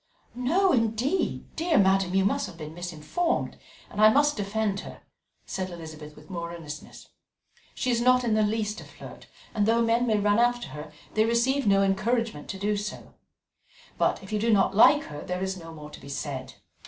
"No, indeed, dear madam; you have been misinformed, and I must defend her," said Elizabeth with more earnestness. "She is not in the least a flirt, and though men may run after her, they receive no encouragement to do so. But if you do not like her, there is no more to be said.